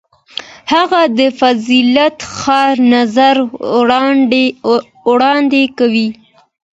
هغه د فاضله ښار نظر وړاندې کوي.